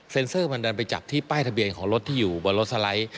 เซอร์มันดันไปจับที่ป้ายทะเบียนของรถที่อยู่บนรถสไลด์